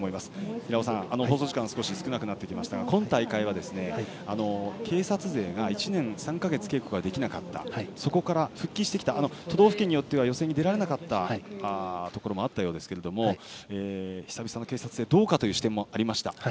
平尾さん、今大会は警察勢が１年３か月稽古ができなかったそこから復帰してきた都道府県によっては予選に出られなかったところもあったようですが久々の警察勢どうかという指摘もありました。